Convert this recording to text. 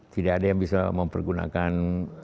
tidak ada yang bisa mempergunakan